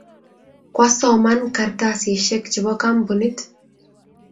Kwasomon kartasisiek chebo kampunit.